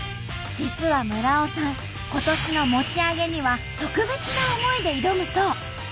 実は村尾さん今年の餅上げには特別な思いで挑むそう。